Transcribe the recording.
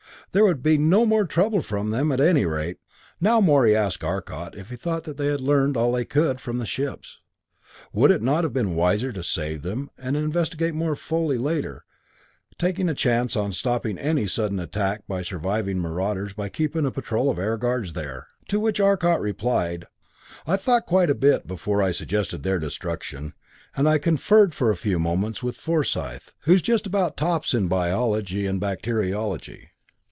There would be no more trouble from them, at any rate! Now Morey asked Arcot if he thought that they had learned all they could from the ships; would it not have been wiser to save them, and investigate more fully later, taking a chance on stopping any sudden attack by surviving marauders by keeping a patrol of Air Guards there. To which Arcot replied, "I thought quite a bit before I suggested their destruction, and I conferred for a few moments with Forsyth, who's just about tops in biology and bacteriology.